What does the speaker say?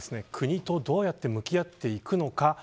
国とどうやって向き合っていくのか。